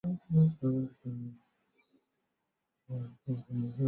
曹爽兄弟最终都决定向司马懿投降。